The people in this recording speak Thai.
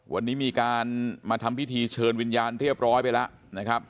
วันนี้มีการมาทำพิธีเชิญวิญญาณเรียบร้อยไปแล้วนะครับ